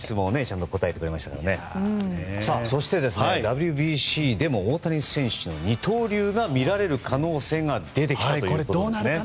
そして、ＷＢＣでも大谷選手の二刀流が見られる可能性が出てきたということですね。